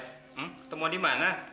ketemuan di mana